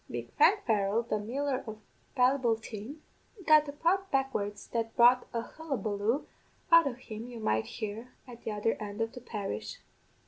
Big Frank Farrell, the miller of Ballyboulteen, got a prod backwards that brought a hullabaloo out of him you might hear at the other end of the parish.